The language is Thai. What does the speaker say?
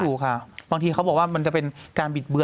อยู่ค่ะบางทีเขาบอกว่ามันจะเป็นการบิดเบือ